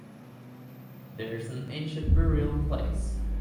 There is an ancient burial place.